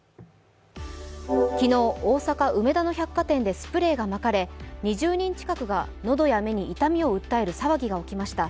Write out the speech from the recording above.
昨日、大阪・梅田の百貨店でスプレーがまかれ、２０人近くが喉や目に痛みを訴える騒ぎが起きました。